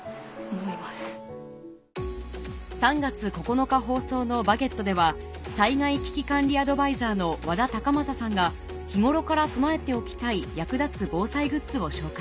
３月９日放送の『バゲット』では災害危機管理アドバイザーの和田隆昌さんが日頃から備えておきたい役立つ防災グッズを紹介